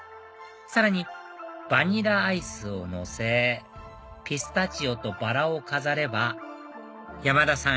さらにバニラアイスをのせピスタチオとバラを飾れば山田さん